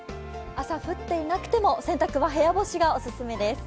朝降っていなくても、洗濯は部屋干しがオススメです。